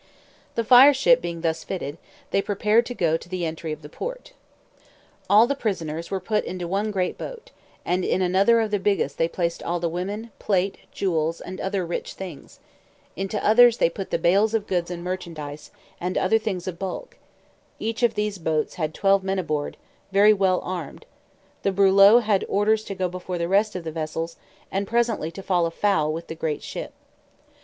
The fire ship being thus fitted, they prepared to go to the entry of the port. All the prisoners were put into one great boat, and in another of the biggest they placed all the women, plate, jewels, and other rich things: into others they put the bales of goods and merchandise, and other things of bulk: each of these boats had twelve men aboard, very well armed; the brulot had orders to go before the rest of the vessels, and presently to fall foul with the great ship.